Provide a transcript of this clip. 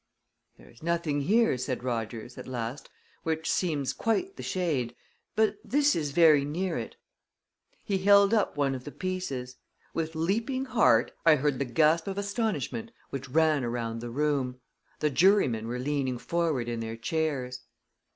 "There's nothing here," said Rogers, at last, "which seems quite the shade. But this is very near it." He held up one of the pieces. With leaping heart, I heard the gasp of astonishment which ran around the room. The jurymen were leaning forward in their chairs.